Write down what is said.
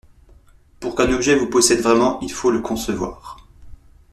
Pour qu’un objet vous possède vraiment, il faut le concevoir.